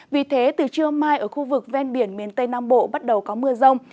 vì thế từ trưa mai ở khu vực ven biển miền tây nam bộ bắt đầu có mưa rông